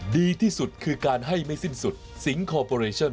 ดีที่สุดคือการให้ไม่สิ้นสุดสิงคอร์ปอเรชั่น